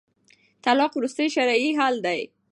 طلاق وروستی شرعي حل دی